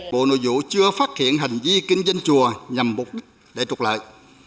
bộ nội vụ chưa phát hiện hành vi kinh doanh chùa nhằm mục đích để trục lợi